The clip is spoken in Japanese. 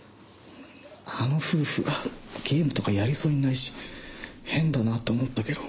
あの夫婦がゲームとかやりそうにないし変だなと思ったけど。